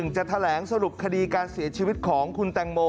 จะแถลงสรุปคดีการเสียชีวิตของคุณแตงโม